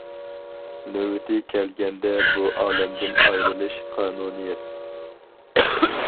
نۆۋىتى كەلگەندە بۇ ئالەمدىن ئايرىلىش قانۇنىيەت.